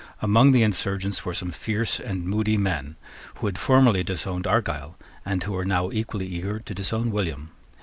Among the insurgents were some fierce and moody men who had formerly disowned Argyle, and who were now equally eager to disown William.